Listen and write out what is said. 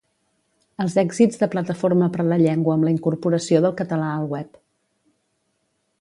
Els èxits de Plataforma per la Llengua amb la incorporació del català al web